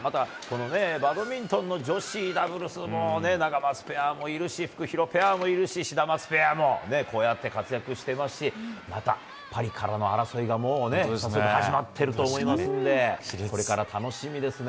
バドミントンの女子はダブルスでナガマツペアもいるしフクヒロペアもいるしシダマツペアもこうやって活躍していますしパリからの争いが、ここで始まっていると思いますのでこれから楽しみですね。